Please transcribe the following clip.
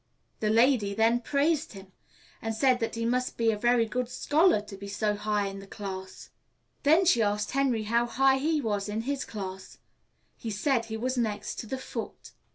The lady then praised him, and said that he must be a very good scholar to be so high in his class. Then she asked Henry how high he was in his class. He said he was next to the foot.